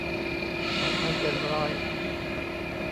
สองพันเจ็ดร้อย